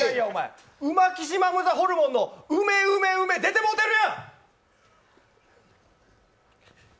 うマキシマムザホルモンのウメウメウメ出てもうてるやん！！